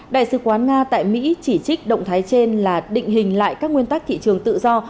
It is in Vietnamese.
đại sứ quán nga tại mỹ chỉ trích động thái trên là định hình lại các nguyên tắc thị trường tự do